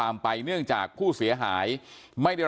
อันนี้มันต้องมีเครื่องชีพในกรณีที่มันเกิดเหตุวิกฤตจริงเนี่ย